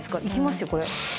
いきますよ